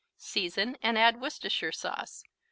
Season and add Worcestershire sauce.